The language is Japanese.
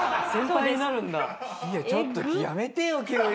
いやちょっとやめてよ急に。